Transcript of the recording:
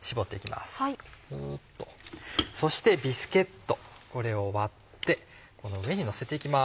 そしてビスケットこれを割ってこの上にのせて行きます。